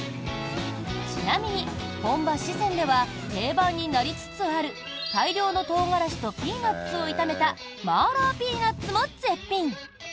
ちなみに本場・四川では定番になりつつある大量のトウガラシとピーナツを炒めた麻辣ピーナッツも絶品。